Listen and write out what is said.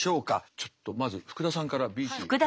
ちょっとまず福田さんから「ＢＣ」。